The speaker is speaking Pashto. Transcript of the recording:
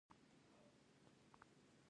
آیا دا د نړۍ د شتمنو هیوادونو ډله نه ده؟